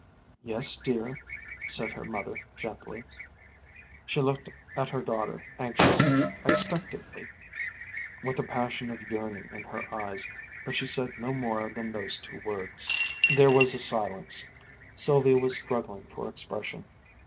"Yes, dear," said her mother gently. She looked at her daughter anxiously, expectantly, with a passion of yearning in her eyes, but she said no more than those two words. There was a silence. Sylvia was struggling for expression.